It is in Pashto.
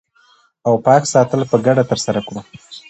او پاک ساتل په ګډه ترسره کړو